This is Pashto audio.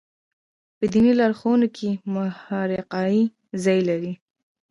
په دیني لارښوونو کې محراقي ځای لري.